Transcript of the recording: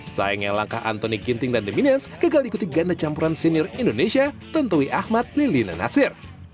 sayangnya langkah antoni ginting dan dominions gagal ikuti ganda campuran senior indonesia tentowi ahmad lili nenasir